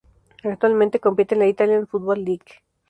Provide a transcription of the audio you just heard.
Actualmente compite en la Italian Football League.